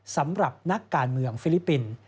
สำหรับนักการเมืองฟิลิปปินส์